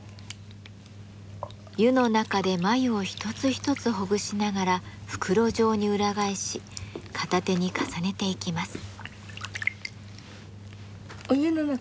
湯の中で繭を一つ一つほぐしながら袋状に裏返し片手に重ねていきます。